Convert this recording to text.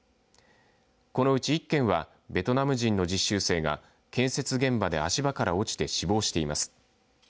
このうち１件はベトナム人の実習生が建設現場で足場から落ちて死亡しています。